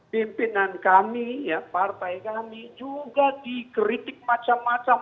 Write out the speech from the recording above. pimpinan kami partai kami juga dikritik macam macam